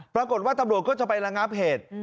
ปรากฏว่าตำรวจก็จะไประงับเหตุ